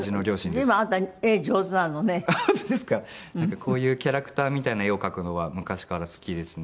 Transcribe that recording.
こういうキャラクターみたいな絵を描くのは昔から好きですね。